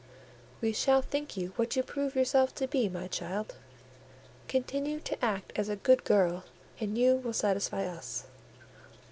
"We shall think you what you prove yourself to be, my child. Continue to act as a good girl, and you will satisfy us."